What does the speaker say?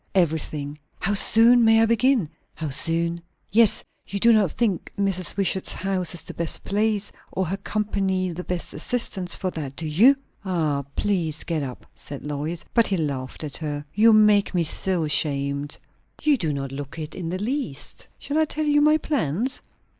"Everything." "How soon may I begin?" "How soon?" "Yes. You do not think Mrs. Wishart's house is the best place, or her company the best assistance for that, do you?" "Ah, please get up!" said Lois. But he laughed at her. "You make me so ashamed!" "You do not look it in the least. Shall I tell you my plans?"